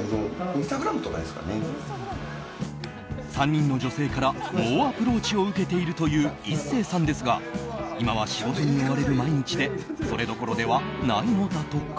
３人の女性から猛アプローチを受けているという壱成さんですが今は仕事に追われる毎日でそれどころではないのだとか。